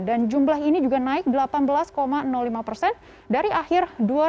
dan jumlah ini juga naik delapan belas lima persen dari akhir dua ribu dua puluh